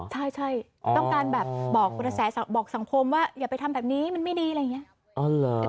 ใช่ต้องการแบบบอกกระแสบอกสังคมว่าอย่าไปทำแบบนี้มันไม่ดีอะไรอย่างนี้